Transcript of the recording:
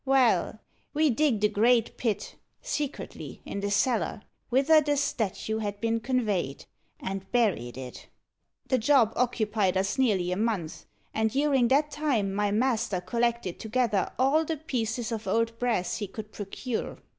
Well, we digged a great pit, secretly, in the cellar, whither the statue had been conveyed, and buried it. The job occupied us nearly a month; and during that time, my master collected together all the pieces of old brass he could procure.